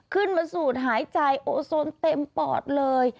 ขึ้นมาสูดหายใจโอโซนเต็มปอดเลย